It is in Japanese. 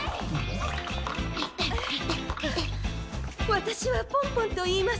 わたしはポンポンといいます。